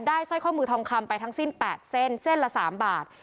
สร้อยข้อมือทองคำไปทั้งสิ้น๘เส้นเส้นละ๓บาท